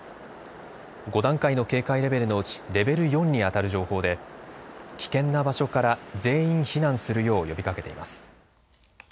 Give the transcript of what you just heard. ５段階の警戒レベルのうちレベル４にあたる情報で危険な場所から全員避難するよう呼びかけています。